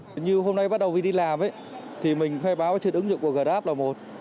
vnid bắt đầu việc đi làm mình khai báo trên ứng dụng của grab là một